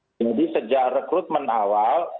jadi sejak rekrutmen awal